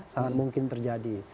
sangat mungkin terjadi